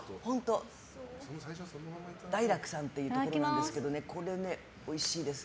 大楽さんっていうところなんですけどおいしいです。